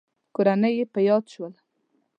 کورنۍ يې په ياد شول.